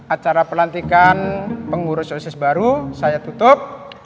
acara pelantikan pengurus osis baru saya tutup